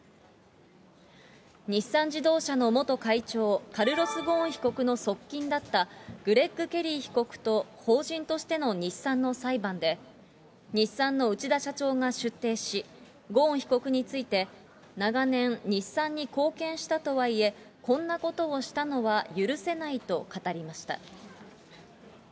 日産自動車の元会長、カルロス・ゴーン被告の側近だった、グレッグ・ケリー被告と、法人としての日産の裁判で、日産の内田社長が出廷し、ゴーン被告について、長年、日産に貢献したとはいえ、こんなことをしたのは許せないと語りました。